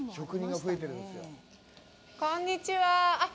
こんにちは。